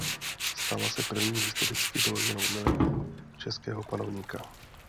Stala se první historicky doloženou milenkou českého panovníka.